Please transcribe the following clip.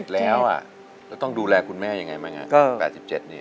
๘๗แล้วอ่ะแล้วต้องดูแลคุณแม่ยังไงบ้างอ่ะ๘๗นี่